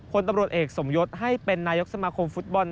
คนตำรวจเอกสมยศให้เป็นนายกสมาคมฟุตบอล